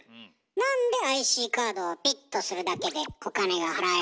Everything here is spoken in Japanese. なんでＩＣカードをピッとするだけでお金が払えるの？